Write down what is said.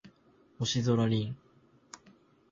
星空凛